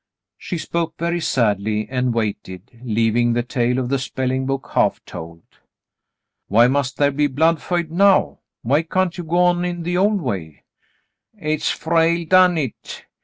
She spoke very sadly and waited, leaving the tale of the spelling book half told. "TMiy must there be 'blood feud' now.'^ Why can't you go on in the old way ?" "Hit's Frale done hit.